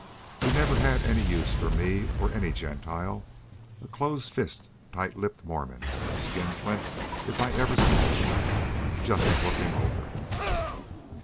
He never had any use for me or any Gentile. A close fisted, tight lipped Mormon a skinflint if I ever saw one! Just look him over."